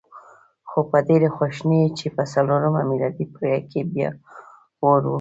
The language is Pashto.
خو په ډېرې خواشینۍ چې په څلورمه میلادي پېړۍ کې بیا اور و.